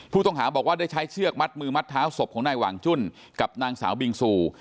ผู้ต้องหาบอกว่าได้ใช้เชือกมัดมือมัดเท้าศพของนายหว่างจุ้นกับนางสาวบิงซู